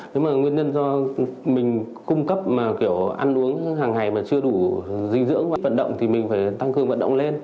thế mà nguyên nhân do mình cung cấp kiểu ăn uống hàng ngày mà chưa đủ dinh dưỡng và vận động thì mình phải tăng cường vận động lên